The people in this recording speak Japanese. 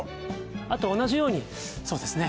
あと同じようにそうですね